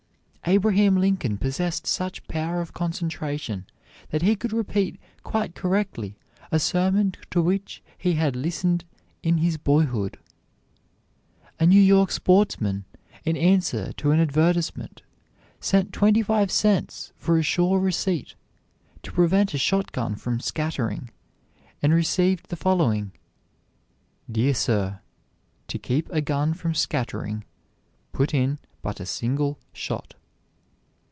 Abraham Lincoln possessed such power of concentration that he could repeat quite correctly a sermon to which he had listened in his boyhood. A New York sportsman, in answer to an advertisement, sent twenty five cents for a sure receipt to prevent a shotgun from scattering, and received the following: "Dear Sir: To keep a gun from scattering put in but a single shot."